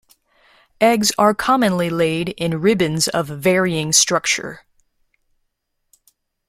Eggs are commonly laid in ribbons of varying structure.